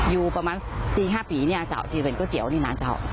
อยู่ประมาณ๔๕ปีที่เป็นกู้เตี๋ยวนี้นะจ้า